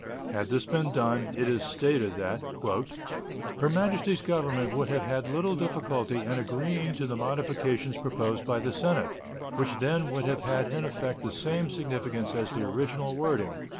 Had this been done, it is stated that "Her Majesty's Government would have had little difficulty in agreeing to the modification proposed by the Senate, which then would have had in effect the same signification as the original wording."